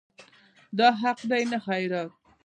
دا حق دی نه خیرات.